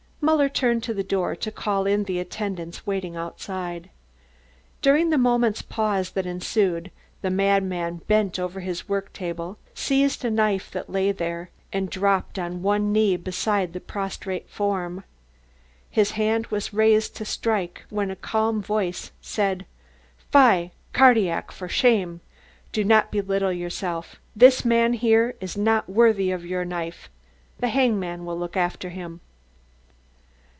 Muller turned to the door to call in the attendants waiting outside. During the moment's pause that ensued the madman bent over his worktable, seized a knife that lay there and dropped on one knee beside the prostrate form. His hand was raised to strike when a calm voice said: "Fie! Cardillac, for shame! Do not belittle yourself. This man here is not worthy of your knife, the hangman will look after him."